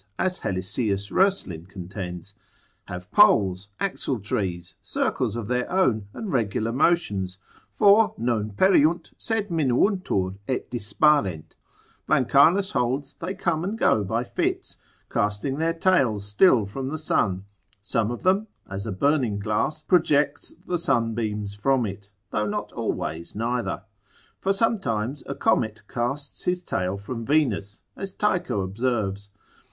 and as Helisaeus Roeslin contends, have poles, axle trees, circles of their own, and regular motions. For, non pereunt, sed minuuntur et disparent, Blancanus holds they come and go by fits, casting their tails still from the sun: some of them, as a burning glass, projects the sunbeams from it; though not always neither: for sometimes a comet casts his tail from Venus, as Tycho observes.